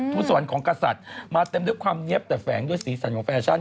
สวรรค์ของกษัตริย์มาเต็มด้วยความเนี๊ยบแต่แฝงด้วยสีสันของแฟชั่น